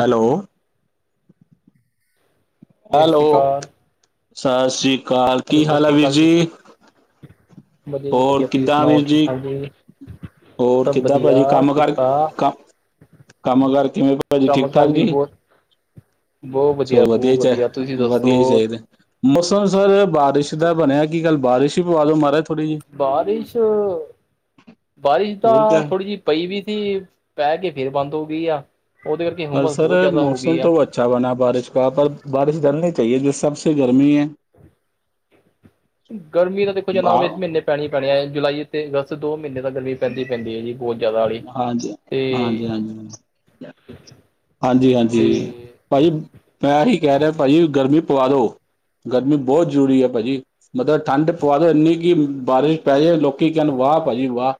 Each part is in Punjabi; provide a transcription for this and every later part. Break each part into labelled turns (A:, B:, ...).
A: ਹੈਲੋ
B: ਸਤਿ ਸ਼੍ਰੀ
A: ਹੈਲੋ
B: ਅਕਾਲ
A: ਸਤਿ ਸ਼੍ਰੀ
B: ਹੈਲੋ ਸਤਿ ਸ਼੍ਰੀ ਅਕਾਲ ਜੀ ਵਧੀਆ ਜੀ
A: ਹੋਰ
B: ਵਧੀਆ ਤੁਸੀਂ
A: ਕਿੱਦਾਂ
B: ਸੁਣਾਓ
A: ਵੀਰ
B: ਠੀਕ ਠਾਕ ਜੀ ਜੀ
A: ਹੋਰ ਕਿੱਦਾਂ ਭਾਜੀ ਕੰਮ ਕਾਰ ਕੰਮ ਕਾਰ ਕਿਵੇਂ ਭਾਜੀ
B: ਕੰਮ
A: ਠੀਕ
B: ਕਾਰ
A: ਠਾਕ
B: ਵੀ
A: ਜੀ
B: ਬਹੁਤ ਬਹੁਤ
A: ਚਲ ਵਧੀਆ
B: ਬਹੁਤ
A: ਚ ਐ
B: ਤੁਸੀਂ ਦੱਸੋ
A: ਵਧੀਐ ਚਾਹੀਦੇ ਮੌਸਮ ਸਰ ਬਾਰਿਸ਼ ਦਾ ਬਣਿਆ ਕੀ ਗੱਲ ਬਾਰਿਸ਼ ਹੀ ਪਵਾ ਲੋ ਮਹਾਰਾਜ ਥੋੜੀ ਜੀ
B: ਬਾਰਿਸ਼ -ਬਾਰਿਸ਼ ਦਾ
A: ਹੋਰ ਕਿਆ ਹੈ
B: ਥੋੜ੍ਹੀ ਜਿਹੀ ਪਈ ਵੀ ਸੀ ਪੈ ਕੇ ਫੇਰ ਬੰਦ ਹੋ ਗਈ ਆ ਉਹਦੇ ਕਰਕੇ ਹੁੰਮਸ ਬਹੁਤ ਜ਼ਿਆਦਾ ਹੋ ਗਈ ਆ।
A: ਅੱਛਾ ਬਣਾ ਬਾਰਿਸ਼ ਕ ਪਰ ਬਾਰਸ਼ ਡਲਣੀ ਚਾਹੀਏ ਜੋ ਸਭੇ ਗਰਮੀ ਹੈ [inaudible]
B: ਗਰਮੀ ਦਾ ਦੇਖੋ ਜਨਾਬ ਇਸ ਮਹੀਨੇ ਪੈਣੀ -ਪੈਣੀ ਹੈ ਜੁਲਾਈ ਤੇ ਅਗਸਤ ਦੋ ਮਹੀਨੇ ਤੱਕ ਗਰਮੀ ਪੈਂਦੀ -ਪੈਂਦੀ ਹੈ ਜੀ ਬਹੁਤ ਜ਼ਿਆਦਾ ਵਾਲੀ ਤੇ
A: ਹਾਂਜੀ ਹਾਂਜੀ
B: ਤੇ
A: ਭਾਜੀ ਮੈਂ ਹੀ ਕੈ ਰਿਹਾ ਭਾਜੀ ਗਰਮੀ ਪਵਾ ਦੋ ਗਰਮੀ ਬਹੁਤ ਜ਼ਰੂਰੀ ਹੈ ਭਾਜੀ ਮਤਲ ਠੰਡ ਪਵਾ ਦੋ ਇੰਨੀ ਕਿ ਬਾਰਿਸ਼ ਪੈ ਜੇ ਲੋਕੀ ਕਹਿਣ ਵਾਹ ਭਾਜੀ ਵਾਹ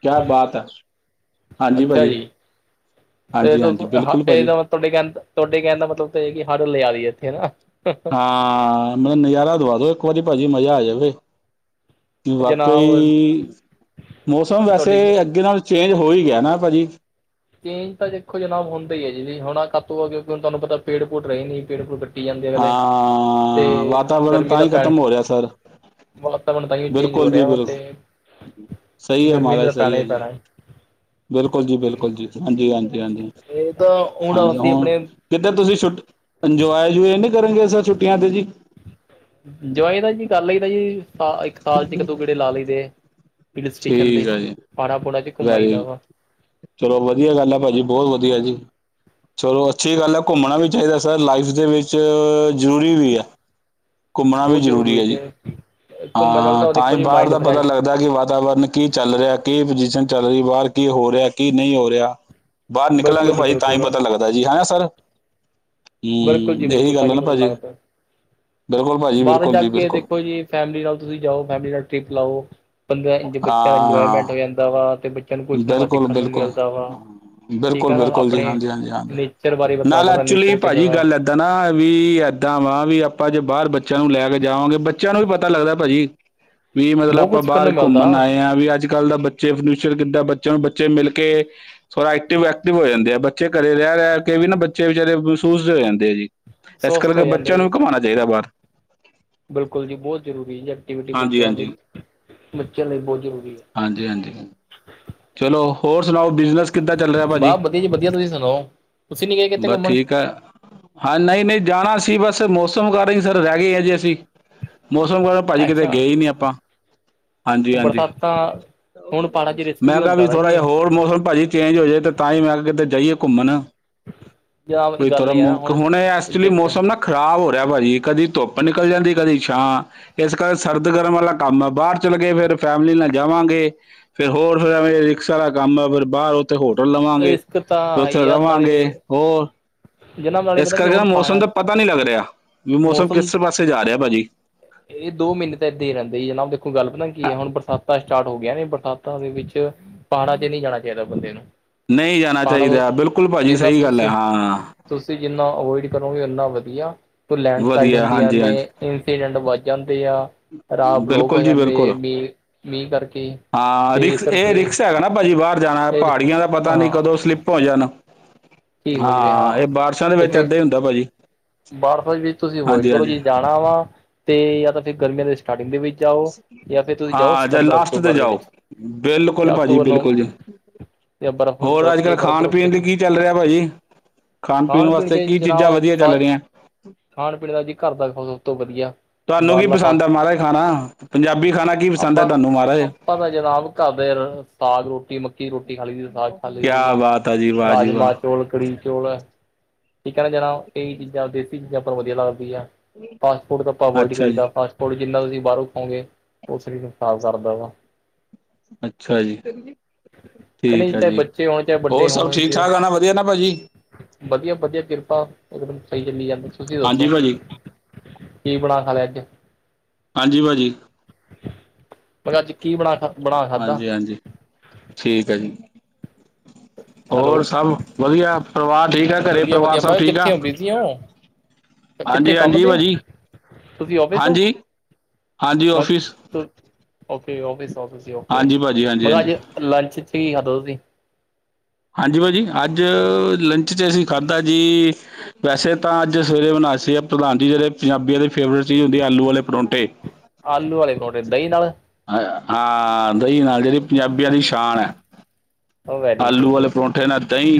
A: ਕਿਆ ਬਾਤ ਹੈ ਹਾਂਜੀ ਭਾਜੀ
B: ਤੇ ਇਹ
A: ਹਾਂਜੀ ਹਾਂਜੀ ਬਿਲਕੁਲ ਭਾਜੀ
B: ਇਹਦਾ ਮਤਲਬ [unintelligible] ਤੁਹਾਡੇ ਕਹਿਣ ਤੁਹਾਡੇ ਕਹਿਣ ਦਾ ਮਤਲਬ ਇਹੀ ਹੈਗਾ ਕਿ ਹੜ ਲਿਆ ਦਈਏ ਇੱਥੇ ਹਨਾ
A: ਹਾਂ ਮਲਬ ਨਜ਼ਾਰਾ ਦਵਾ ਦੋ ਇੱਕ ਵਾਰੀ ਭਾਜੀ ਮਜ਼ਾ ਆ ਜਾਵੇ ਅ
B: ਜਨਾਬ
A: ਵਾਕਈ ਮੌਸਮ ਵੈਸੇ
B: ਤੁਹਾਡੀ
A: ਅੱਗੇ ਨਾਲੋਂ ਚੇਂਜ ਹੋ ਹੀ ਗਿਆ ਨਾ ਭਾਅ ਜੀ
B: ਚੇਜ ਤਾਂ ਦੇਖੋ ਜਨਾਬ ਹੁੰਦਾ ਹੀ ਹੈ ਜੀ ਵੀ ਹੁਣ ਏ [unintelligible] ਆ ਕਿਉਂਕਿੁ ਤੁਾਨੂੰ ਪਤਾ ਪੇੜ ਪੂੜ ਰਹੇ ਨੀ ਪੇੜ ਪੂੜ ਜਾਂਦੇ ਅਗਲੇ ਤੇ
A: ਹਾਂ
B: ਹੁਣ
A: -ਵਾਤਾਵਰਨ
B: ਗਰਮੀ
A: ਤਾਂ
B: ਦਾ
A: ਹੀ
B: ਪੈਣ
A: ਖ਼ਤਮ ਹੋ ਰਿਹਾ ਹੈ ਸਰ
B: ਵਾਤਾਵਰਨ ਤਾਂ ਹੀ ਚੇਂਜ ਹੋ
A: ਬਿਲਕੁਲ ਜੀ
B: ਰਿਹਾ ਵਾ ਤੇ
A: ਬਿਲਕੁ ਸਹੀ ਹੈ
B: ਗਰਮੀ ਨੇ
A: ਮਹਾਰਾਜ
B: ਤਾਂ
A: ਸਹੀ
B: ਪੈਣਾ
A: ਹੈ
B: ਹੀ
A: ਜੀ
B: ਪੈਣਾ
A: ਬਿਲਕੁਲ ਜੀ ਬਿਲਕੁਲ ਜੀ ਹਾਂਜੀ -ਹਾਂਜੀ
B: ਇਹ ਤਾਂ
A: - ਹਾਂਜੀ
B: ਅਸੀਂ
A: ਹੁਣ
B: ਆਪਣੇ
A: ਕਿਤੇ ਤੁਸੀਂ ਛੁੱਟੀ ਇੰਜੋਏ [unintelligible] ਨਹੀਂ ਕਰਨਗੇ ਸਰ ਛੁੱਟੀਆਂ ਤੇ ਜੀ
B: ਜਵਾਈ ਦਾ ਜੀ ਕਰ ਲਈਦਾ ਜੀ ਸਾ ਇਕ ਸਾਲ ਚ ਇੱਕ ਦੋ ਗੇੜੇ ਲਾ ਲਈ ਦੇ ਐ। ਹਿਲ ਸਟੇਸ਼ਨ ਤੇ
A: ਠੀਕ ਆ ਜੀ
B: ਪਾੜਾ ਪੂੜਾ ਚ ਘੁੰਮ ਆਈ
A: ਵੈਰੀ
B: ਦਾ ਵਾ
A: ਚਲੋ ਵਧੀਆ ਗੱਲ ਏ ਭਾਜੀ ਬਹੁਤ ਵਧੀਆ ਜੀ ਚਲੋ ਅੱਛੀ ਗੱਲ ਹੈ ਘੁੰਮਣਾ ਵੀ ਚਾਹੀਦਾ ਸਰ ਲਾਈਫ ਦੇ ਵਿੱਚ ਜ਼ਰੂਰੀ ਵੀ ਹੈ ਘੁੰਮਣਾ ਵੀ ਜ਼ਰੂਰੀ ਹੈ ਜੀ
B: ਘੁੰਮਣ ਨਾਲ
A: ਹਾਂ ਤਾਂ
B: ਦੇਖੋ
A: ਹੀ
B: ਜੀ
A: ਬਾਰ
B: ਮਾਇੰਡ
A: ਦਾ ਪਤਾ
B: ਫਰੈਸ਼
A: ਲੱਗਦਾ ਦਾ ਕਿ ਵਾਤਾਵਰਨ ਕੀ ਚੱਲ ਰਿਹਾ ਕੀ ਪੁਜੀਸ਼ਨ ਚੱਲ ਰਹੀ ਬਾਹਰ ਕੀ ਹੋ ਰਿਹਾ ਕੀ ਨਹੀਂ ਹੋ ਰਿਹਾ ਬਾਰ ਨਿਕਲਾਂਗੇ
B: ਬਿਲਕੁਲ ਜੀ
A: ਭਾਜੀ ਤਾਂ ਹੀ
B: ਬਿਲਕੁਲ
A: ਪਤਾ ਲੱਗਦਾ ਜੀ ਹੈ ਨਾ ਸਰ
B: ਬਿਲਕੁਲ ਜੀ
A: ਹਮ ਇਹੀ
B: ਬਿਲਕੁਲ
A: ਗੱਲ ਹੈ
B: ਤਾਂਹੀ
A: ਨਾ
B: ਪਤਾ
A: ਭਾਜੀ
B: ਲੱਗਦਾ
A: ਬਿਲਕੁਲ ਭਾਜੀ
B: ਬਾਹਰ
A: ਬਿਲਕੁਲ
B: ਜਾ
A: ਜੀ
B: ਕੇ
A: ਬਿਲਕੁਲ
B: ਦੇਖੋ ਜੀ ਫੈਮਿਲੀ ਨਾਲ ਤੁਸੀਂ ਜਾਓ ਫੈਮਿਲੀ ਨਾਲ ਟ੍ਰਿਪ ਲਾਓ ਬੰ ਬੱਚਿਆਂ ਦਾ
A: ਹਾਂ
B: ਇੰਜੋਏਮੈਂਟ ਹੋ ਜਾਂਦਾ ਵਾ ਤੇ ਬੱਚਿਆਂ ਨੂੰ ਕੁਛ ਨਵਾਂ
A: ਬਿਲਕੁਲ
B: ਸਿੱਖਣ ਨੂੰ
A: ਬਿਲਕੁਲ
B: ਮਿਲਦਾ ਵਾ ਠੀਕ
A: ਬਿਲਕੁਲ
B: ਹੈ ਨਾ
A: ਬਿਲਕੁਲ ਜੀ
B: ਆਪਣੇ
A: ਹਾਂਜੀ ਹਾਂਜੀ ਹਾਂਜੀ
B: ਨੇਚਰ ਬਾਰੇ ਬਤਾ ਦਾ ਨੇਚਰ ਕਿੱਦਾਂ ਦਾ।
A: ਇੱਦਾਂ ਨਾ ਵੀ ਇੱਦਾਂ ਵਾ ਵੀ ਆਪਾਂ ਜੇ ਬਾਹਰ ਬੱਚਿਆਂ ਨੂੰ ਲੈ ਕੇ ਜਾਵਾਂਗੇ ਬੱਚਿਆਂ ਨੂੰ ਵੀ ਪਤਾ ਲੱਗਦਾ ਭਾਅ ਜੀ।
B: ਹ [unintelligible]
A: ਵੀ ਮਤਲਬ ਆਪਾਂ ਬਾਹਰ ਘੁੰਮਣ ਆਏ ਹਾਂ ਵੀ ਅੱਜ ਕੱਲ੍ਹ ਦਾ ਬੱਚੇ ਫਰਨਿਊਚਰ ਕਿੱਦਾਂ ਬੱਚਾ ਨੂੰ ਬੱਚੇ ਮਿਲ ਕੇ ਥੋੜਾ ਐਕਟਿਵ ਐਕਟਿਵ ਹੋ ਜਾਂਦੇ ਆ ਬੱਚੇ ਘਰੇ ਰਹਿ ਰਹਿ ਕੇ ਵੀ ਨਾ ਬੱਚੇ ਵਿਚੇਾਰੇ ਮਹਿਸੂਸ ਹੋ ਜਾਂਦੇ ਆ ਜੀ। ਇਸ
B: ਸਵਸਥ
A: ਕਰਕੇ
B: ਹੋ ਜਾਂਦੇ
A: ਬੱਚਿਆਂ ਨੂੰ
B: ਜੀ
A: ਵੀ ਘਮਾਉਣਾ ਚਾਹੀਦਾ ਬਾਹਰ।
B: ਬਿਲਕੁਲ ਜੀ ਬਹੁਤ ਜ਼ਰੂਰੀ ਹੈ ਐਕਟੀਵਿਟੀ
A: ਹਾਂਜੀ
B: ਬੱਚਿਆਂ ਲਈ
A: ਹਾਂਜੀ
B: ਬੱਚਿਆਂ ਲਈ ਬਹੁਤ ਜ਼ਰੂਰੀ ਹੈ।
A: ਹਾਂਜੀ ਹਾਂਜੀ। ਚਲੋ ਹੋਰ ਸੁਣਾਓ ਬਿਜਨਸ ਕਿੱਦਾਂ ਚੱਲ ਰਿਹਾ
B: ਹੈ
A: ਭਾਜੀ
B: ਵਾਹ ਵਧੀਆ ਜੀ ਵਧੀਆ ਤੁਸੀਂ ਸੁਣਾਓ ਤੁਸੀਂ ਨੀ ਗਏ ਕਿਤੇ
A: ਬਸ
B: ਘੁੰਮਣ
A: ਠੀਕ ਹੈ। ਹਾਂ ਨਹੀਂ, ਨਹੀਂ ਜਾਣਾ ਸੀ ਬਸ ਮੌਸਮ ਕਰਕੇ ਹੀ ਸਰ ਰਹਿ ਗਏ ਆ ਜੇ ਅਸੀਂ ਮੌਸਮ ਭਾਜੀ ਕਿਤੇ
B: ਅੱਛਾ
A: ਗਏ ਹੀ ਨੀ ਆਪਾਂ। ਹਾਂਜੀ ਹਾਂਜੀ
B: ਬਰਸਾਤਾਂ ਹੁਣ ਪਹਾੜਾਂ 'ਚ ਰਿਸਕ
A: ਮੈਂ ਕਿਹਾ ਵੀ
B: ਹੁੰਦਾ ਨਾ
A: ਥੋੜ੍ਹਾ
B: ਜੀ
A: ਜਿਹਾ ਹੋਰ ਮੌਸਮ ਭਾਜੀ ਚੇਂਜ ਜਾਏ ਤੇ ਤਾਂ ਹੀ ਮੈਂ ਕਿਹਾ ਕਿਤੇ ਜਾਈਏ ਘੁੰਮਣ
B: ਜਾਂ ਇਹ
A: ਕੋਈ
B: ਗੱਲ
A: ਥੋੜ੍ਹਾ
B: ਇਹ ਹੈ
A: ਮੁ
B: ਨਾ
A: ਹੁਣ ਐਕਚੁਲੀ
B: ਦੇਖੋ
A: ਮੌਸਮ ਨਾ। ਖ਼ਰਾਬ ਹੋ ਰਿਹਾ ਭਾਜੀ। ਕਦੀ ਧੁੱਪ ਨਿਕਲ ਜਾਂਦੀ ਕਦੀ ਛਾਂ। ਇਸ ਕਰਕੇ ਸਰਦ ਗਰਮ ਵਾਲਾ ਕੰਮ ਆ ਬਾਹਰ ਚਲੇ ਗ ਫਿਰ ਫੈਮਲੀ ਨਾਲ ਜਾਵਾਂਗੇ। ਫਿਰ ਹੋਰ ਫਿਰ ਐਵੇਂ ਰਿਸਕ ਦਾ ਕੰਮ ਆ ਫਿਰ ਬਾਹਰ ਉੱਥੇ ਹੋਟਲ
B: ਰਿਸਕ
A: ਲਵਾਂਗੇ--ਫਿਰ
B: ਤਾਂ ਹੈ
A: ਉੱਥੇ
B: ਹੀ ਆ
A: ਰਵਾਂਗੇ
B: ਨਾਲੇ
A: ਹੋਰ।
B: ਜਨਾਬ ਨਾਲੇ
A: ਇਸ
B: ਪਤਾ ਕੀ
A: ਕਰਕੇ ਨਾ
B: ਹੁਣ
A: ਮੌਸਮ
B: ਪਹਾੜਾ
A: ਦਾ ਪਤਾ ਨਹੀਂ ਲੱਗ ਰਿਹਾ ਵੀ ਮੌਸਮ ਕਿਸ ਪਾਸੇ ਜਾ ਰਿਹਾ ਭਾਜੀ
B: ਇਹ ਦੋ ਮਹੀਨੇ ਤਾਂ ਏਦਾਂ ਹੀ ਰਹਿੰਦੇ ਜਨਾਬ ਦੇਖੋ ਗੱਲ ਪਤਾ ਕੀ ਹੈ ਹੁਣ ਬਰਸਾਤਾਂ ਸਟਾਰਟ ਹੋ ਗਈਆਂ ਨੇ ਬਰਸਾਤਾਂ ਦੇ ਵਿੱਚ ਪਹਾੜਾਂ ਤੇ ਨਹੀਂ ਜਾਣਾ ਚਾਹੀਦਾ ਬੰਦੇ ਨੂੰ।
A: ਨਹੀਂ ਜਾਣਾ
B: ਪਹਾੜਾਂ ਤੋਂ
A: ਚਾਹੀਦਾ ਬਿਲਕੁਲ ਭਾਜੀ
B: ਜਿੰਨਾ
A: ਸਹੀ ਗੱਲ ਹੈ
B: ਤੁਸੀਂ
A: ਹਾਂ।
B: ਤੁਸੀਂ ਜਿੰਨਾ ਅਵੋਇਡ ਕਰੋਗੇ ਉਓਨਾ ਵਧੀਆ ਲੈਂਡਸਲਾਈਡ
A: ਵਧੀਆ
B: ਹੁੰਦੀਆਂ
A: ਹਾਂਜੀ
B: ਨੇ।
A: ਹਾਂਜੀ
B: ਐਕਸੀਡੈਂਟ ਵੱਧ ਜਾਂਦੇ ਆ ਰਾਹ ਬਲੋਕ ਹੋ
A: ਬਿਲਕੁਲ ਜੀ
B: ਜਾਂਦੇ ਆ
A: ਬਿਲਕੁਲ
B: ਮੀਂਹ -ਮੀਂਹ ਕਰਕੇ
A: ਹਾਂ
B: ਤੇ ਇਸ
A: ਰਿਕਸ ਏ
B: ਕਰਕੇ
A: ਰਿਕਸ ਹੈਗਾ ਨਾ ਭਾਜੀ ਬਾਰ ਜਾਣਾ,
B: ਫਿਰ
A: ਪਹਾੜੀਆਂ ਦਾ ਪਤਾ ਨੀ
B: ਹਾਂ
A: ਕਦੋਂ ਸਲਿੱਪ ਹੋ ਜਾਣ।
B: ਠੀਕ ਹੋ ਜਾਵੇ
A: ਹਾਂ ਏ ਬਾਰਸ਼ਾਂ ਦੇ ਵਿੱਚ ਏਦਾਂ ਈ ਹੁੰਦਾ ਭਾਜੀ।
B: ਬਾਰਫ ਵਿੱਚ ਤੁਸੀਂ ਅਵੋਇਡ
A: ਹਾਂਜੀ
B: ਕਰੋ,
A: ਹਾਂਜੀ
B: ਜੇ ਜਾਣਾ ਵਾ ਤੇ ਜਾਂ ਤਾਂ ਫਿਰ ਗਰਮੀਆਂ ਦੇ ਸਟਾਰਟਿੰਗ ਦੇ ਵਿੱਚ ਜਾਓ ਜਾਂ ਫਿਰ ਤੁਸੀਂ ਜਾਓ
A: ਹਾਂ ਜਾਂ ਲਾਸਟ ਤੇ
B: ਸਤੰਬਰ-ਅਕਤੂਬਰ ਦੇ
A: ਜਾਓ
B: ਵਿੱਚ
A: ਬਿਲਕੁਲ
B: ਜਾਂ
A: ਭਾਜੀ
B: ਅਕਤੂਬਰ ਨੂੰ
A: ਬਿਲਕੁਲ ਜੀ
B: ਯਾ ਬਰਫ਼,
A: ਹੋਰ
B: ਬਰਫ਼
A: ਅੱਜ
B: ਜੇ
A: ਕੱਲ੍ਹ
B: ਬਰਫ਼
A: ਖਾਣ
B: ਬੁਰਫ਼
A: ਪੀਣ ਲਈ
B: ਦੇਖਣੀ
A: ਕੀ ਚੱਲ ਰਿਹਾ ਭਾਜੀ
B: ਖਾਣ ਪੀਣ
A: ਵਾਸਤੇ
B: ਤੇ
A: ਕੀ
B: ਜਨਾ
A: ਚੀਜ਼ਾਂ ਵਧੀਆ ਚੱਲ
B: ਫਾਸਟ
A: ਰਹੀਆਂ
B: ਖਾਣ ਪੀਣ ਦਾ ਜੀ ਘਰ ਦਾ ਸਭ ਤੋਂ ਵਧੀਆ
A: ਤੁਹਾਨੂੰ ਕੀ
B: ਬਾਰਲਾ ਪਾ
A: ਪਸੰਦ ਆ ਮਹਾਰਾਜ ਖਾਣਾ ਪੰਜਾਬੀ ਖਾਨਾ ਕੀ ਪਸੰਦ ਐ ਤੁਹਾਨੂੰ ਮਹਾਰਾਜ?
B: ਆਪਾਂ ਤੇ ਜਾਂਆਬ ਘਰ ਦੇ ਸਾਗ ਰੋਟੀ ਮੱ ਮੱਕੀ ਦੀ ਰੋਟੀ ਖਾ ਲਈ, ਸਾਗ ਖਾ ਲਈ ਦੀ
A: ਕਿਆ
B: ਆ,
A: ਬਾਤ ਜੀ ਵਾਹ ਜੀ ਵਾਹ
B: ਰਾਜਮਾਂ-ਚੋਲ ਕੜੀ ਚੋਲ ਠੀਕ ਐ ਨਾ ਜਣਾ ਕਈ ਚੀਜ਼ਾਂ ਦੇਸੀ ਆਪਾਂ ਨੂੰ ਵਧੀਆ ਲੱਗਦੀ ਆ। ਫਾਸਟ ਫੂਡ ਤਾਂ ਆਪਾਂ ਅਵੋਇਡ
A: ਅੱਛਾ ਜੀ
B: ਕਰੀਦਾ, ਫਾਸਟ ਫੂਡ ਜਿੰਨਾ ਤੁਸੀਂ ਬਾਰੋਂ ਖਓਗੇ ਓ ਸਰੀਰ ਨੂੰ ਖਰਾਬ ਕਰਦਾ ਹੈਗਾ।
A: ਅੱਛਾ ਜੀ।
B: ਕਹਿੰਦੇ
A: ਠੀਕ ਐ
B: ਚਾਹੇ
A: ਜੀ,
B: ਬੱਚੇ ਹੋਣ ਚਾਹੇ
A: ਹੋਰ
B: ਵੱਡੇ
A: ਸਭ ਠੀਕ ਠਾਕ ਆ ਨਾ ਵਧੀਆ ਨਾ ਭਾਜੀ?
B: ਵਧੀਆ-ਵਧੀਆ ਕਿਰਪਾ ਓਦੇ ਸਈ ਚੱਲੀ ਜਾਂਦੇ ਤੁਸੀਂ
A: ਹਾਂਜੀ
B: ਦੱਸੋ,
A: ਭਾਜੀ
B: ਕੀ ਬਣਾ ਖਾ ਲਿਆ ਅੱਜ?
A: ਹਾਂਜੀ ਭਾਜੀ।
B: ਫੇਰ ਅੱਜ ਕੀ ਬਣਾ ਖਾ ਬਣਾ ਖਾਧਾ
A: ਹਾਂਜੀ-ਹਾਂਜੀ, ਠੀਕ ਐ ਜੀ। ਹੋਰ
B: ਹੈਲੋ
A: ਸਭ ਵਧੀਆ, ਪਰਿਵਾਰ ਠੀਕ ਐ ਘਰੇ,
B: ਵਧੀਆ
A: ਪਰਿਵਾਰ
B: ਵਧੀਆ
A: ਸਭ ਠੀਕ ਆ?
B: [unintelligible] ਤੇ ਕਿੱਥੇ
A: ਹਾਂਜੀ
B: ਕੰਮ
A: ਹਾਂਜੀ
B: ਤੇ ਓ,
A: ਭਾਜੀ
B: ਤੁਸੀਂ ਔਫੀਸ ਓ?
A: ਹਾਂਜੀ ਹਾਂਜੀ
B: ਬਾ
A: ਆਫਿਸ
B: ਓਕੇ ਔਫੀਸ, ਔਫੀਸ ਜੀ ਓਕੇ,
A: ਹਾਂਜੀ ਭਾਜੀ ਹਾਂਜੀ
B: ਮੈਂ ਕਿਹਾ
A: ਹਾਂਜੀ
B: ਅੱਜ ਲੰਚ 'ਚ ਕੀ ਖਾਧਾ ਤੁਸੀਂ?
A: ਹਾਂਜੀ ਭਾਜੀ, ਅੱਜ ਲੰਚ 'ਚ ਅਸੀਂ ਖਾਧਾ ਜੀ ਵੈਸੇ ਤਾਂ ਅੱਜ ਸਵੇਰੇ ਬਨਾਏ ਸੀ ਆ [unintelligible] ਪੰਜਾਬੀਆਂ ਦੀ ਫੇਵਰੇਟ ਚੀਜ਼ ਹੁੰਦੀ ਆਲੂ ਵਾਲੇ ਪਰੌਂਠੇ।
B: ਆਲੂ ਵਾਲੇ ਪਰੌਠੇ ਦਈ ਨਾਲ?
A: ਹਾਂ ਦਈ ਨਾਲ, ਜੇੜੀ ਪੰਜਾਬੀਆਂ ਦੀ ਸ਼ਾਨ ਐ।
B: ਵੈਰੀ
A: ਆਲੂ
B: ਗੁੱਡ
A: ਵਾਲੇ ਪਰੌਂਠੇ ਨਾ ਦਈ,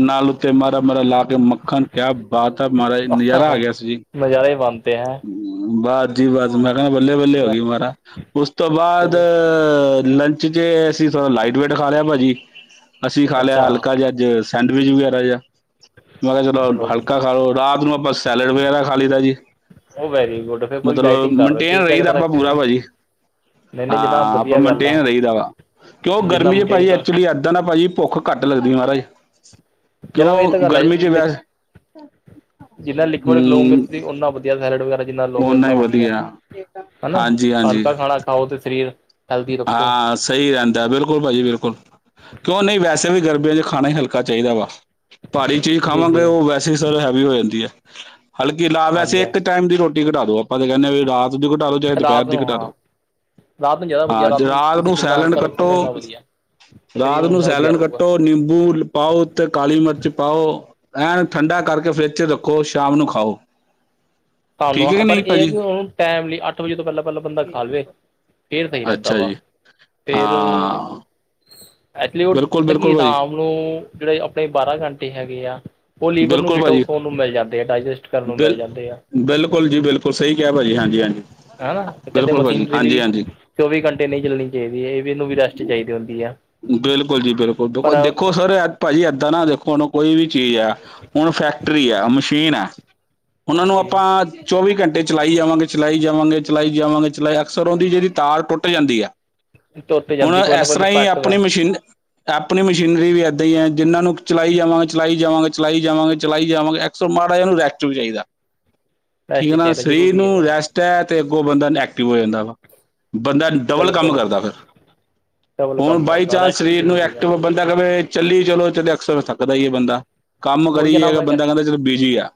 A: ਨਾਲ ਉੱਤੇ ਮਾਰਾ-ਮਾਰਾ ਲਾ ਕੇ ਮੱਖਨ। ਕਿਆ ਬਾਤ ਹੈ ਮਹਾਰਾਜ, ਨਜ਼ਾਰਾ ਆ ਗਿਆ ਸੀ ਜੀ।
B: ਨਜ਼ਾਰੇ ਹੀ ਬਨ ਤੇ ਹੈਂ।
A: ਬਾਸ ਜੀ ਬਸ, ਮੈਂ ਕਹਾਂਗਾ ਬੱਲੇ-ਬੱਲੇ ਹੋ ਹੀ ਮਹਾਰਾ, ਉਸ ਤੋਂ ਬਾਦ ਆ ਲੰਚ 'ਚ ਅਸੀਂ ਥੋੜਾ ਲਾਈਟ ਵੇਟ ਖਾ ਲਿਆ ਭਾਜੀ, ਅਸੀਂ ਖਾ ਲਿਆ ਹਲਕਾ ਜਿਹਾ ਅੱਜ ਸੈਂਡਵਿਚ ਵਗੈਰਾ ਜਾ। ਮੈਂ ਕਿਹਾ ਚਲੋ ਹਲਕਾ ਖਾ ਲੋ, ਰਾਤ ਨੂੰ ਆਪਾਂ ਸੈਲਡ ਵਗੈਰਾ ਖਾ ਲੀਦਾ ਜੀ।
B: ਉਹ ਵੈਰੀ ਗੁੱਡ ਫਿਰ ਪੂਰੀ
A: ਮਤਲਬ
B: ਡਾਇਟਿੰਗ ਕਰ ਰਹੇ
A: ਮਨਟੇਨ
B: ਤੁਸੀਂ ਤਾਂ
A: ਰਈ ਦਾ
B: ਕਿਤੇ ਨਾ
A: ਆਪਾਂ
B: ਕਿਤੇ
A: ਪੂਰਾ ਭਾਜੀ।
B: ਨਹੀਂ ਨਹੀਂ ਜਨਾਬ
A: ਹਾਂ ਆਪਾਂ
B: ਵਧੀਆ ਗੱਲ ਆ
A: ਮੇਨਟੇਨ ਰਈ ਦਾ ਵਾ ਕਿਉਂ
B: ਜਿੰਨਾ
A: ਗਰਮੀ 'ਚ
B: ਮੇਨਟੇਨ
A: ਭਾਜੀ
B: ਕਰ
A: ਐਕਚੁਲੀ ਇੱਦਾਂ ਨਾ ਭਾਜੀ ਭੁੱਖ ਘੱਟ ਲੱਗਦੀ ਮਾਹਰਾਜ।
B: ਜਨਾਬ ਏ ਤੇ ਗੱਲ ਐ, [unintelligible]
A: ਵੈਸੇ
B: ਜਿੰਨਾ ਲਿਕੁਇਡ ਲਓਗੇ
A: ਹੂੰ
B: ਤੁਸੀਂ ਓਨਾ ਵ ਯਾ ਸੈਲਡ ਵਗੈਰਾ ਜਿੰਨਾ ਲੋਂਗੇ ਓਨਾ ਵਧੀਆ, ਹਨਾ
A: ਹਾਂਜੀ ਹਾਂਜੀ
B: ਹਲਕਾ ਖਾਣਾ ਖਾਓ ਤੇ ਸਰੀਰ ਹੈਲਦੀ ਰੱਖੋ
A: ਹਾਂ ਸਈ ਰਹਿੰਦਾ, ਬਿਲਕੁਲ ਭਾਜੀ ਬਿਲਕੁਲ। ਕਿਉਂ ਨਈ ਵੈਸੇ ਵੀ ਗਰਮੀਆਂ 'ਚ ਖਾਣਾ ਹੀ ਹਲਕਾ ਚਾਈਦਾ ਵਾ। ਭਾਰੀ ਚੀਜ਼
B: ਜੀ
A: ਖਾਵਾਂਗੇ
B: ਜੀ
A: ਓ ਵੈਸੇ ਸਰ ਹੈਵੀ ਹੋ ਜਾਂਦੀ ਐ, ਹਲਕੀ ਲਾ ਵੈਸੇ
B: ਹਾਂਜੀ
A: ਇੱਕ ਟਾਈਮ ਦੀ ਰੋਟ ਟੀ ਘਟਾ ਦੋ, ਆਪਾਂ ਤਾਂ ਕਹਿੰਦੇਾਂ ਵੀ ਰਾਤ ਦੀ ਘਟਾ ਦੋ, ਚਾਹੇ ਦੁਪਹਿਰ
B: ਰਾਤ
A: ਦੀ
B: ਨੂੰ
A: ਘਟਾ
B: ਹਾਂ
A: ਦੋ।
B: ਰਾਤ ਨੂੰ ਜ਼ਿਆਦਾ ਵਧੀਆ
A: ਹਾਂ ਜੇ ਰਾਤ
B: ਤੁਸੀਂ
A: ਨੂੰ
B: ਜਿੰਨਾ
A: ਸੈਲਡ
B: ਹਲਕਾ
A: ਕੱਟੋ
B: ਰੱਖੋਗੇ ਓਨਾ ਵਧੀਆ
A: ਰਾਤ
B: ਸਰੀਰ
A: ਨੂੰ
B: ਓਨਾ ਵਧੀਆ
A: ਸੈਲਣ
B: ਰਹੂਗਾ
A: ਕੱਟੋ ਨਿੰਬੂ ਪਾਓ ਉਤੇ ਕਾਲੀ ਮਿਰਚ ਪਾਓ, ਐਨ ਠੰਡਾ ਕਰਕੇ ਫਰਿੱਜ 'ਚ ਰੱਖੋ ਸ਼ਾਮ ਨੂੰ ਖਾਓ। ਠੀਕ ਕਿ
B: [unintelligible] ਪਰ
A: ਨਹੀਂ
B: ਏ ਹੈ
A: ਭਾਜੀ
B: ਕਿ ਹੁਨ ਟਾਈਮ ਲਈ ਅੱਠ ਵਜੇ ਤੋਂ ਪਹਿਲਾਂ-ਪਹਿਲਾਂ ਬੰਦਾ ਖਾ ਲਵੇ। ਫੇਰ ਸਈ ਰਹਿੰਦਾ
A: ਅੱਛਾ
B: ਵਾ
A: ਜੀ
B: ਫੇਰ
A: ਹਾਂ
B: ਐਕਚੁਲੀ ਓ
A: ਬਿਲਕੁਲ
B: ਪਤਾ ਐ ਕੀ
A: ਬਿਲਕੁਲ ਭਾਜੀ
B: ਹਾਮ ਨੂੰ ਜੇੜੇ ਅਪਨੇ ਬਾਰਾਂ ਘੰਟੇ ਹੈਗੇ ਆ। ਓ ਲੀਵਰ ਨੂੰ
A: ਬਿਲਕੁਲ ਭਾਜੀ
B: ਡਿਟੋਸ ਹੋਨ ਨੂੰ ਮਿਲ ਜਾਂਦੇ, ਡਾਇਜੈਸਟ ਕਰਨ ਨੂੰ ਮਿਲ
A: ਬਿਲ
B: ਜਾਂਦੇ ਆ।
A: ਬਿਲਕੁਲ ਜੀ, ਬਿਲਕੁਲ ਸਹੀ ਕਿਹਾ ਭਾਜੀ, ਹਾਂਜੀ-ਹਾਂਜੀ, ਬਿਲਕੁਲ ਭਾਜੀ। ਹਾਂਜੀ- ਹਾਂਜੀ।
B: ਚੋਵੀ ਘੰਟੇ ਨਹੀਂ ਚੱਲਣੀ ਚਾਹੀਦੀ ਏ, ਇਹ ਵੀ, ਇਹਨੂੰ ਵੀ ਰੈਸਟ ਚਾਹੀਦੀ ਹੁੰਦੀ ਹੈ।
A: ਬਿਲਕੁਲ ਜੀ, ਬਿਲਕੁਲ। ਦੇਖੋ ਸਰ ਭਾਜੀ ਏਦਾਂ ਨਾ ਦੇਖੋ, ਉਹਨੂੰ ਕੋਈ ਵੀ ਚੀਜ਼ ਆ ਹੁਣ ਫੈਕਟਰੀ ਆ, ਮਸ਼ੀਨ ਐ, ਉਹਨਾਂ ਨੂੰ
B: ਹਾਂਜੀ
A: ਆਪਾਂ ਚੌਵੀ ਘੰਟੇ ਚਲਾਈ ਜਾਵਾਂਗੇ, ਚਲਾਈ ਜਾਵਾਂਗੇ, ਚਲਾਈ ਜਾਵਾਂਗੇ, ਚਲਾਈ ਅਕਸਰ ਉਹਦੀ, ਜਿਹਦੀ ਤਾਰ ਟੁੱਟ ਜਾਂਦੀ ਹੈ।
B: ਤੁਰ ਤੇ
A: ਹੁਣ,
B: ਜਾਂਦੀ ਕੋਈ ਨਾ
A: ਇਸ
B: ਕੋਈ
A: ਤਰ੍ਹਾਂ ਹੀ
B: ਇਫੈਕਟ
A: ਆਪਣੀ
B: ਹੈ
A: ਮਸ਼ੀਨ ਆਪਣੀ ਮਸ਼ੀਨਰੀ ਵੀ ਏਦਾਂ ਹੀ ਹੈ, ਜਿਹਨਾਂ ਨੂੰ ਚਲਾਈ ਜਾਵਾਂਗੇ, ਚਲਾਈ ਜਾਵਾਂਗੇ, ਚਲਾਈ ਜਾਵਾਂਗੇ, ਚਲਾਈ ਜਾਵਾਂਗੇ ਸੋ, ਮਾੜਾ ਜਾ ਇਹਨੁ ਰੈਸਟ ਵੀ ਚਾਹੀਦਾ।
B: [unintelligible]
A: ਠੀਕ ਆ ਨਾ,
B: ਚਾਹੀਦਾ
A: ਸਰੀਰ
B: ਜ਼ਰੂਰੀ ਹੈ
A: ਨੂੰ
B: ਜਨਾਬ
A: ਰੈਸਟ ਤ ਤੈ, ਅੱਗੋ ਬੰਦਾ ਐਕਟਿਵ ਹੋ ਜਾਂਦਾ ਵਾ, ਬੰਦਾ ਡਬਲ ਕੰਮ
B: ਬਿਲਕੁਲ
A: ਕਰਦਾ ਫਿਰ।
B: ਡਬਲ
A: ਹੁਣ
B: ਕੰਮ ਕਰਦਾ
A: ਬਾਈਚਾਂਸ
B: ਰੈਸਟ ਵੀ
A: ਸਰੀਰ ਨੂੰ
B: ਜ਼ਰੂਰੀ ਆ
A: ਐਕਟਿਵ ਬੰਦਾ ਰ੍ਹਵੇ, ਚੱਲੀ ਚਲੋ, ਜ ਅਕਸਰ ਥੱਕਦਾ ਈ ਹੈ ਬੰਦਾ। ਕੰਮ
B: ਉਹੀ ਜਨਾਬ
A: ਕਰੀਏ,
B: ਮੈਂ
A: ਬੰਦਾ
B: ਕਹਿ
A: ਕਹਿੰਦਾ ਚਲ ਬਿਜੀ ਆ।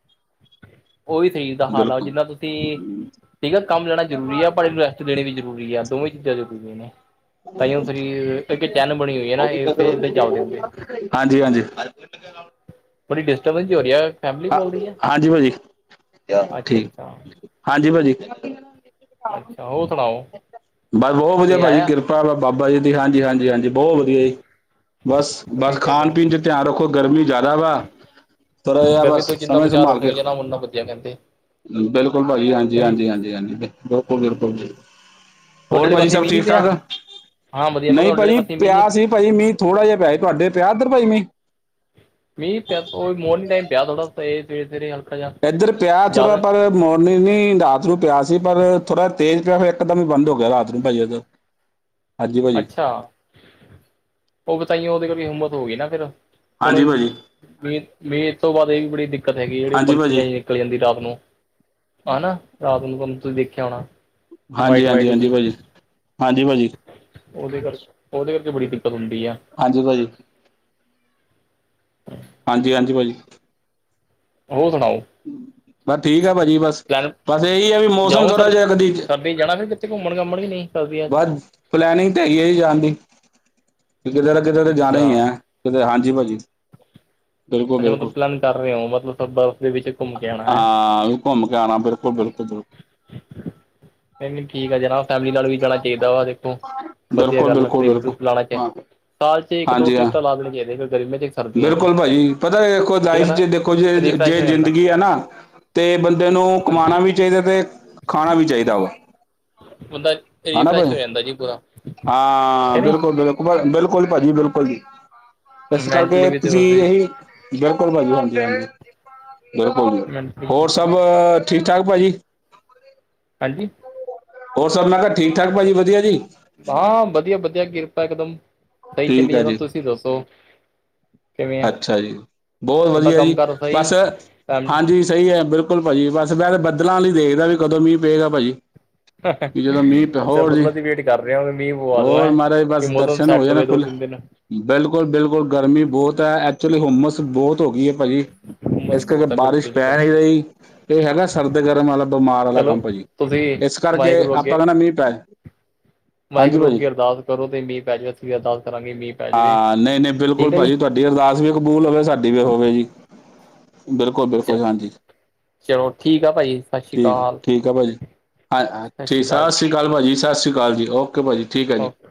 B: ਉਹ ਵੀ ਸਹੀ ਦਾ ਹਾਲ ਆ,
A: ਬਿਲਕੁਲ
B: ਜਿੰਨਾ ਤੁਸੀਂ ਠੀਕ ਆ, ਕੰਮ ਲੈਣਾ ਜ਼ਰੂਰੀ ਆ, ਪਰ ਇਹਨੁੰ ਲੈਣੀ ਜਰੂਰੀ ਆ, ਦੋਵੇਂ ਚੀਜ਼ਾਂ ਜ਼ਰੂਰੀਆਂ ਨੇ। ਤਾਂਈਓ ਸਰੀਰ ਇੱਕ ਚੈਨ ਬਣੀ ਹੋਈ ਹੈ ਨਾ, ਇਹਦਾ ਚੱਲਦੇ ਹੁੰਦੇ।
A: ਹਾਂਜੀ-ਹਾਂਜੀ। ਇੱਕ ਦੇ ਨਾਲ
B: ਬੜੀ ਡਿਸਟਰਬੈਂਸ ਜੀ ਹੋ ਰਹੀ ਆ। ਫੈਮਿਲੀ
A: ਹਾ,
B: ਬੋਲਦੀ ਆ
A: ਹਾਂਜੀ ਭਾਜੀ,
B: ਅੱਛਾ
A: ਠੀਕ।
B: ਅੱਛਾ
A: ਹਾਂਜੀ ਭਾਜੀ।
B: ਅੱਛਾ ਹੋਰ ਸੁਣਾਓ
A: ਬਸ ਬਹੁਤ ਵਧੀਆ
B: ਕੋਈ
A: ਭਾਜੀ,
B: ਆਇਆ
A: ਕਿਰਪ ਕਿਰਪਾ ਬਾਬਾ ਜੀ ਦੀ ਹਾਂਜੀ, ਹਾਂਜੀ, ਹਾਂਜੀ ਬਹੁਤ ਵਧੀਆ ਜੀ। ਬਸ,
B: ਵਧੀਆ
A: ਬਸ
B: ਚਾਹੀਦਾ
A: ਖਾਣ-ਪੀਣ'ਚ ਧਿਆਨ ਰੱਖੋ ਗਰਮੀ ਜ਼ਿਆਦਾ ਵਾ, ਥੋੜਾ ਜਿਹਾ ਬਸ
B: ਕੋਈ ਜਿੰਨਾ
A: ਸਮੇਂ
B: ਬਚਾਅ
A: ਸੰਭਾਲ ਕੇ
B: ਰਖੋਂਗੇ ਜੇਨਾ, ਉਹਨਾ ਵਧੀਆ ਰਹਿੰਦੇ।
A: ਬਿਲਕੁਲ ਭਾਜੀ, ਹਾਂਜੀ-ਹਾਂਜੀ, ਹਾਂਜੀ, ਹਾਂਜੀ ਬਿਲਕੁਲ-ਬਿਲਕੁਲ ਜੀ।
B: ਤੁਹਾਡੇ
A: ਹੋਰ
B: ਵਾਲੇ
A: ਭਾਜੀ,
B: ਪਾਸੇ
A: ਸਭ
B: ਮੀਂਹ ਨੀ ਪਿਆ
A: ਠੀਕ-ਠਾਕ?
B: ਹਾਂ ਵਧੀਆ ਮੈਂ
A: ਨਹੀਂ
B: ਕਿਹਾ ਤੁਹਾਡੇ ਵਾਲੇ
A: ਭਾਜੀ
B: ਪਾਸੇ ਮੀਂਹ ਨੀ
A: ਪਿਆ ਸੀ। ਨਹੀਂ ਭਾਜੀ, ਮੀਂਹ ਥੋੜਾ ਜਾ ਪਿਆ। ਤੁਹਾਡੇ ਪਿਆ ਏਧਰ ਭਾਜੀ ਮੀਂਹ?
B: ਮੀਂਹ ਪਿਆ ਉਹ ਵੀ ਮੋਰਨਿੰਗ ਟਾਈਮ ਪਿਆ ਥੋੜਾ ਇਹ ਸਵੇਰੇ-ਸਵੇਰੇ।
A: ਇੱਧਰ ਪਿਆ ਥੋਰਾ ਪਰ ਮੋਰਨਿੰਗ ਨੀ, ਰਾਤ ਨੂੰ ਪਿਆ ਸੀ, ਪਰ ਥੋੜਾ ਤੇਜ਼ ਪਿਆ ਫਿਰ ਇੱਕਦਮ ਹੀ ਬੰਦ ਹੋਗਿਆ, ਰਾਤ ਨੂੰ ਭਾਜੀ ਇੱਧਰ।
B: [inaudible]
A: ਹਾਂਜੀ ਭਾਜੀ
B: ਅੱਛਾ! ਉਹ ਬ ਤਾਂਈਓ ਉਹਦੇ ਕੋਲ ਵੀ ਹੂੰਮਸ ਹੋ ਗਈ ਨਾ ਫਿਰ, ਹੁਣ,
A: ਹਾਂਜੀ
B: ਅ
A: ਭਾਜੀ
B: ਅ ਮੀਂਹ ਮੀਂਹ ਤੋਂ ਬਾਅਦ ਇਹ ਵੀ ਬੜੀ ਦਿੱਕਤ ਹੈਗੀ ਜਿਹੜੇ ਉਹ
A: ਹਾਂਜੀ
B: ਪੰਖੀਆਂ
A: ਭਾਜੀ
B: ਜੀਆਂ ਨਿਕਲ ਜਾਂਦੀ ਰਾਤ ਨੂੰ, ਹਨਾ। ਰਾਤ ਨੂੰ ਤੁਸੀਂ ਦੇਖਿਆ ਹੋਣਾ। ਵਾਈਟ ਵਾਈਟ
A: ਹਾਂਜੀ-ਹਾਂਜੀ-ਹਾਂਜੀ
B: ਜੀ
A: ਭਾਜੀ, ਹਾਂਜੀ ਭਾਜੀ।
B: ਉਹਦੇ ਕਰਕੇ, ਉਹਦੇ ਬੜੀ ਦਿੱਕਤ ਹੁੰਦੀ ਆ।
A: ਹਾਂਜੀ ਭਾਜੀ। ਹਾਂਜੀ-ਹਾਂਜੀ, ਭਾਜੀ।
B: ਹੋ ਸੁਣਾਓ?
A: ਮੈਂ ਠੀਕ ਆਂ ਭਾਜੀ ਬਸ।
B: ਪਲੈਨ
A: ਬਸ ਇਹੀ ਹੈ ਵੀ ਮੌਸਮ ਥੋੜਾ ਜਿਹਾ, ਕਦੀ
B: ਨਹੀਂ ਜਾਣਾ ਫਿਰ, ਕਿਥੇ ਘੁੰਮਣ-ਘਾਮਣ ਕੇ ਨਈ?
A: ਬਸ ਪਲੈਨਿੰਗ ਤਾਂ ਹੈਗੀ ਐ ਜੀ ਜਾਣ ਦੀ ਕਿਤੇ ਨਾ ਕਿਤੇ ਤਾਂ ਜਾਣਾ ਹੀ
B: ਅੱਛਾ
A: ਐ ਕਿੱਧਰ, ਹਾਂਜੀ ਭਾਜੀ। ਬਿਲਕੁਲ
B: ਅੱਛਾ ਮਤਲਬ
A: ਬਿਲਕੁਲ
B: ਪਲੈਨ ਕਰ ਰਹੇ ਹੋ ਮਤਲਬ ਬਰਫ਼ ਦੇ ਵਿੱਚ ਘੁੰਮ ਕੇ ਆਉਣਾ ਹੈ
A: ਹਾਂ ਘੁੰਮ ਕੇ ਆਣਾ ਬਿਲਕੁਲ ਬਿਲਕੁ। ਤਦੋ
B: ਨਹੀਂ-ਨਹੀਂ ਠੀਕ ਆ ਜਨਾ, ਫੈਮਲੀ ਨਾਲ ਵੀ ਜਾਣਾ ਚਾਹੀਦਾ ਵਾ ਦੇਖੋ ਵਧੀਆ
A: ਬਿਲਕੁਲ
B: ਗੱਲ ਆ,
A: ਬਿਲਕੁਲ ਬਿਲਕੁਲ
B: ਟਰਿੱਪ-ਟਰੁੱਪ ਲਾਣਾ ਚਾ
A: ਹਾਂ
B: ਸਾਲ'ਚ ਇੱਕ-ਦੋ
A: ਹਾਂਜੀ
B: ਟ੍ਰਿਪ
A: ਹਾਂ
B: ਤਾਂ ਲਾ ਦੇਣੇ ਚਾਹੀਦੇ ਆ, ਇੱਕ ਗਰਮੀਆਂ'ਚ, ਇੱਕ ਸਰਦੀਆਂ'ਚ।
A: ਬਿਲਕੁਲ ਭਾਜੀ ਪਤਾ ਦੇਖੋ ਲਾਈਫ 'ਚ ਦੇਖੋ ਜੇ,
B: ਰੀਫਰੈਸ਼
A: ਜੇ
B: ਹੋ ਜਾਂਦਾ
A: ਜ਼ਿੰਦਗੀ ਆ ਨਾ- ਤੇ ਬੰਦੇ ਨੂੰ ਕਮਾਣਾ
B: ਹਾਂਜੀ
A: ਵੀ ਚਾਹੀਦਾ, ਤੇ ਖਾਣਾ ਵੀ ਚਾਹੀਦਾ ਵਾ।
B: ਬੰਦਾ ਈ
A: ਹਣਾ ਭਾਜੀ,
B: ਠੀਕ
A: ਹਾਂ
B: ਹੈ ਨੀ
A: ਬਿਲਕੁਲ-ਬਿਲਕੁਲ। ਬਿਲਕੁੱਲ ਭਾਜੀ, ਬਿਲਕੁੱਲ ਜੀ। ਇਸ
B: ਮੈਂਟਲੀ
A: ਕਰਕੇ
B: ਵੀ ਤੇ
A: ਤੁਸੀਂ
B: ਉਸਦੀ
A: ਏਹੀ ਬਿਲਕੁੱਲ ਭਾਜੀ, ਹਾਂਜੀ-ਹਾਂਜੀ, ਬਿਲਕੁੱਲ ਜੀ।
B: ਮੈਂਟਲੀ
A: ਹੋਰ, ਸਭ ਠੀਕ-ਠਾਕ ਭਾਜੀ?
B: ਹਾਂਜੀ।
A: ਹੋਰ, ਸਭ ਮੈਂ ਕਿਹਾ, ਠੀਕ-ਠਾਕ ਭਾਜੀ ਵਧੀਆ ਜੀ?
B: ਹਾਂ, ਵਧੀਆ -ਵਧੀਆ, ਕਿਰਪਾ ਇਕਦਮ ਸਹੀ
A: ਠੀਕ
B: ਚੱਲੀ
A: ਹੈ
B: ਜਾਂਦਾ।
A: ਜੀ
B: ਤੁਸੀਂ ਦੱਸੋ? ਕਿਵੇਂ ਆ
A: ਅੱਛਾ ਜੀ, ਬਹੁਤ
B: ਤੁਹਾਡਾ
A: ਵਧੀਆ ਜੀ,
B: ਕੰਮ ਕਾਰ ਸਹੀ
A: ਬਸ ਹਾਂਜੀ ਸਹੀ ਹੈ, ਬਿਲਕੁਲ ਭਾਜੀ, ਬਸ ਮੈਂ ਤੇ ਬੱਦਲਾਂ ਵੱਲ ਈ, ਦੇਖਦਾ, ਵੀ ਕਦੋਂ ਮੀਂਹ ਪਏਗਾ ਭਾਜੀ? ਕਿ ਜਦੋਂ ਮੀਂਹ ਪਿਆ
B: ਅੱਛਾ,
A: ਹੋਰ ਜੀ
B: ਬਦਲਾਂ ਦੀ ਵੇਟ ਕਰ ਰਹੇ ਹੋ, ਮੀਂਹ ਪਵਾ ਦੋ,
A: ਹੋਰ
B: ਹੈਂ, ਕੀ ਮੌਸਮ ਸੈੱਟ ਹੋਵੇ। [unintelligible]
A: ਬਿਲਕੁਲ- ਬਿਲਕੁਲ, ਗਰਮੀ ਬਹੁਤ ਐ, ਐਕਚੁਲੀ ਹੁੰਮਸ ਬਹੁਤ ਹੋਗੀ ਐ ਭਾਜੀ।
B: ਉਮਰ
A: ਇਸ ਕਰਕੇ,
B: ਬਹੁਤ ਹੈ
A: ਬਾਰਿਸ਼
B: ਬਿਲਕੁਲ ਜੀ
A: ਪੈ ਨੀ
B: ਬਿਲਕੁਲ
A: ਰਹੀ, ਇਹ ਹੈਗਾ ਸਰਦ ਗਰਮ ਵਾਲਾ, ਬਿਮਾਰ ਵਾਲਾ
B: ਚਲੋ
A: ਕੰਮ ਭਾਜੀ।
B: ਤੁਸੀਂ
A: ਇਸ, ਕਰਕੇ
B: ਵਾਹਿਗੁਰੂ
A: ਆਪਾਂ
B: ਅੱਗੇ
A: ਕਹਿੰਦੇ, ਮੀਂਹ ਪੈ ਹਾਂਜੀ
B: ਵਾਹਿਗੁਰੂ
A: ਭਾਜੀ
B: ਅੱਗੇ ਅਰਦਾਸ ਕਰੋ ਤੇ ਮੀਹ ਪੈ ਜਾਵੇ ਅਸੀਂ ਵੀ ਅਰਦਾਸ ਕਰਾਂਗੇ ਮੀਂ।
A: ਹਾਂ, ਨਹੀ- ਨਹੀ ਬਿਲਕੁਲ ਭਾਜੀ, ਤੁਹਾਡੀ ਅਰਦਾਸ ਵੀ ਕਬੂਲ ਹੋਵੇ, ਸਾਡੀ ਵੀ ਹੋਵੇ ਜੀ।
B: ਜੀ
A: ਬਿਲਕੁਲ-ਬਿਲਕੁਲ, ਹਾਂਜੀ।
B: ਚਲੋ ਠੀਕ ਆ ਭਾਜੀ ਸਤਿ ਸ਼੍ਰੀ
A: ਠੀ,
B: ਅਕਾਲ
A: ਠੀਕ ਆ, ਭਾਜੀ ਹਾਂ
B: ਸਤਿ
A: ਠੀਕ
B: ਸ਼੍ਰੀ
A: ਸਭ
B: ਜੀ
A: ਸਤਿ ਸ੍ਰੀ ਅਕਾਲ ਭਾਜੀ, ਸਤਿ ਸ੍ਰੀ ਅਕਾਲ ਜੀ, ਓਕੇ, ਭਾਜੀ ਠੀਕ ਹੈ ਜੀ।
B: ਓਕੇ